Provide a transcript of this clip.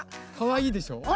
かわいいでしょ？